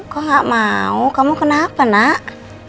kok gak mau kamu kenapa nak